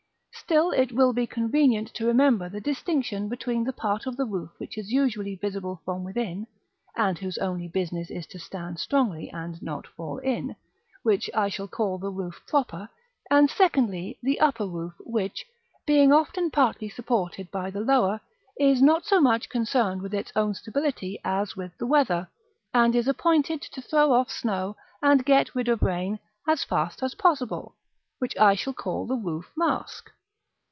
Still it will be convenient to remember the distinction between the part of the roof which is usually visible from within, and whose only business is to stand strongly, and not fall in, which I shall call the Roof Proper; and, secondly, the upper roof, which, being often partly supported by the lower, is not so much concerned with its own stability as with the weather, and is appointed to throw off snow, and get rid of rain, as fast as possible, which I shall call the Roof Mask.